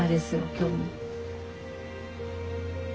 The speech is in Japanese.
今日も。